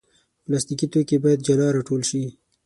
پلاستيکي توکي باید جلا راټول شي.